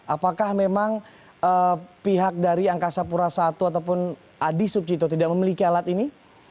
apakah memang pihak dari angkasa pura i ataupun adi subjito tidak memiliki alat ini